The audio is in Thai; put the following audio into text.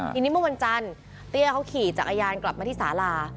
ทีนี้เมื่อวันจันทร์เตี้ยเขาขี่จักรยานกลับมาที่สาลา